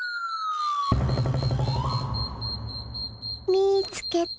みいつけた！